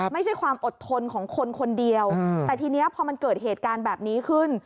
ไม่ใช่ความอดทนของคนคนเดียวแต่ทีนี้พอมันเกิดเหตุการณ์แบบนี้ขึ้น